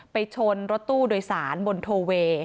ไปชนรถตู้โดยสารบนโทเวย์